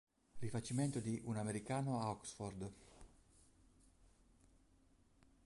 Rifacimento di "Un americano a Oxford".